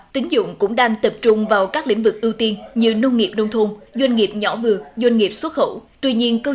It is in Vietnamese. tính dụng cũng đang tập trung vào các lĩnh vực ưu tiên như nông nghiệp nông thôn doanh nghiệp nhỏ vừa doanh nghiệp xuất khẩu